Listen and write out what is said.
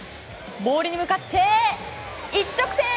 ボールに向かって一直線！